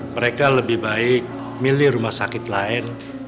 mereka lebih baik milih rumah sakit lain